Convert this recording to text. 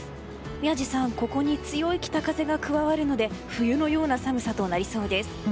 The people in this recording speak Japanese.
宮司さん、ここに強い北風が加わるので冬のような寒さとなりそうです。